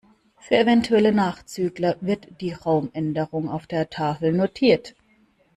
Für eventuelle Nachzügler wird die Raumänderung auf der Tafel notiert.